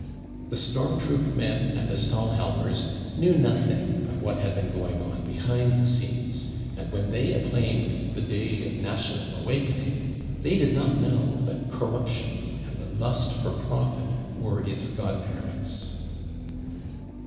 ^The storm troop men and the Stahlhelmers knew nothing of what had been going on behind the scenes, and when they \ "the Reichstag is in flames ! 35 49 acclaimed et the day* of national awakening 33 tlHey did not know that corruption and the lust for profit were its' godparents.